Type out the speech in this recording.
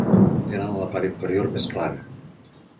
Tenen la part inferior més clara.